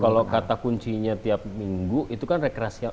kalau kata kuncinya tiap minggu itu kan rekreasi apa